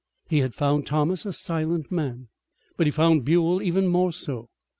He had found Thomas a silent man, but he found Buell even more so.